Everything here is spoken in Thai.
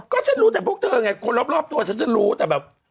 ก็ฉันรู้แต่พวกเธอไงคนรอบตัวฉันจะรู้แต่แบบ